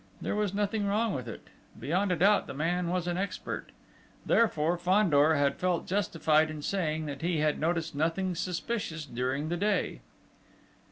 There was nothing wrong with it: beyond a doubt, the man was an expert. Therefore, Fandor had felt justified in saying that he had noticed nothing suspicious during the day.